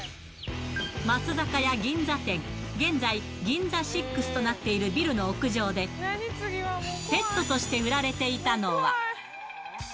松坂屋銀座店、現在、銀座シックスとなっているビルの屋上で、ペットとして売られていたのは。